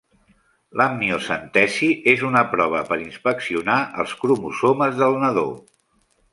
L'amniocentesi és una prova per inspeccionar els cromosomes del nadó.